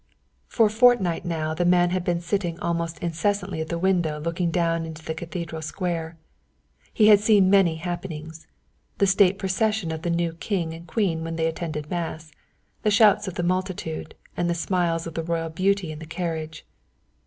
For a fortnight now the man had been sitting almost incessantly at the window looking down into the Cathedral Square. He had seen many happenings the State procession of the new King and Queen when they attended Mass, the shouts of the multitude, and the smiles of the royal beauty in the carriage.